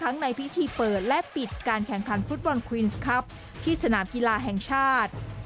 ในพิธีเปิดและปิดการแข่งขันฟุตบอลควีนส์ครับที่สนามกีฬาแห่งชาติ